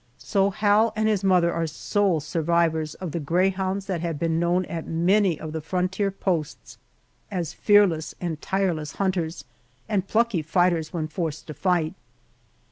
So Hal and his mother are sole survivors of the greyhounds that have been known at many of the frontier posts as fearless and tireless hunters, and plucky fighters when forced to fight.